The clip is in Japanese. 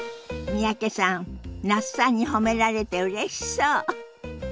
三宅さん那須さんに褒められてうれしそう。